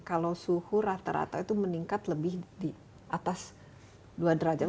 kalau suhu rata rata itu meningkat lebih di atas dua derajat